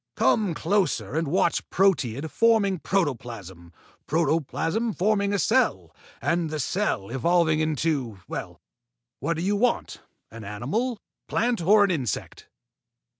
Come closer and watch proteid forming protoplasm, protoplasm forming a cell, and the cell evolving into well, what do you want, an animal, plant, or an insect?"